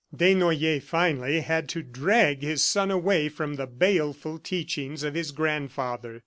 Desnoyers finally had to drag his son away from the baleful teachings of his grandfather.